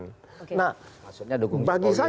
maksudnya dukung jokowi lagi